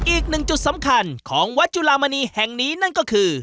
อีกหนึ่งจุดสำคัญของวัดจุลามณีแห่งนี้นั่นก็คือ